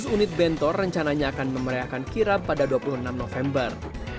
dua ratus unit bentor rencananya akan memeriahkan kirap pada dua puluh enam november